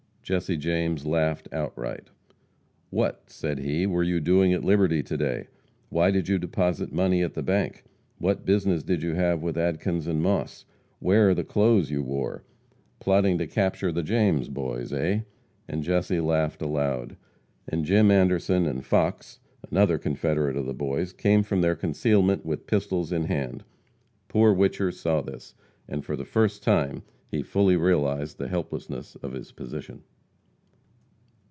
Jesse James laughed outright. "What," said he, "were you doing at Liberty to day? Why did you deposit money in the bank? What business did you have with Adkins and Moss? Where are the clothes you wore? Plotting to capture the James Boys, eh?" and Jesse laughed aloud, and Jim Anderson and Fox, another confederate of the Boys, came from their concealment, with pistols in hand. Poor Whicher saw this, and for the first time he fully realized the helplessness of his position.